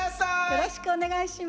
よろしくお願いします。